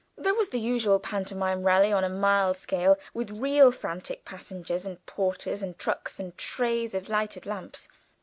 There was the usual pantomime "rally" on a mild scale, with real frantic passengers, and porters, and trucks, and trays of lighted lamps.